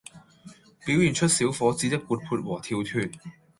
表現出小伙子的活潑和跳脫